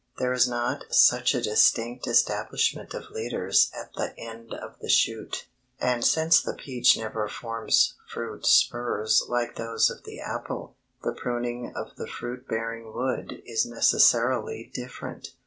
There is not such a distinct establishment of leaders at the end of the shoot; and since the peach never forms fruit spurs like those of the apple, the pruning of the fruit bearing wood is necessarily different.